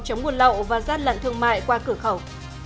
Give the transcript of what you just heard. chống nguồn lậu và gian lận thương mại qua cửa khẩu